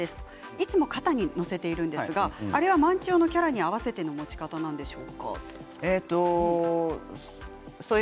いつも肩に載せているんですがあれは万千代のキャラに合わせての持ち方なんでしょうか？ということです。